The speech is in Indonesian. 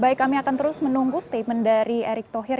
baik kami akan terus menunggu statement dari erick thohir